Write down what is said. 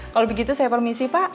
kalau begitu saya permisi pak